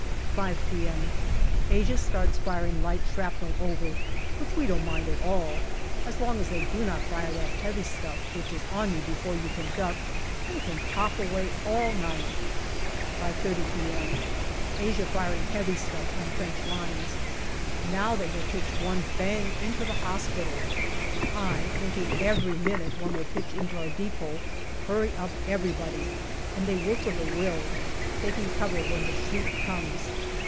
5 p.m. Asia starts firing light shrapnel over, which we don't mind at all. As long as they do not fire that heavy stuff, which is on you before you can duck, they can pop away all night. 5.30 p.m. Asia firing heavy stuff on French lines. Now they have pitched one bang into the hospital. I thinking every minute one will pitch in our depot hurry up everybody, and they work with a will, taking cover when the shriek comes.